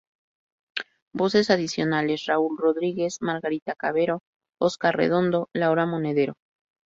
Voces adicionales: Raúl Rodríguez, Margarita Cavero, Óscar Redondo, Laura Monedero.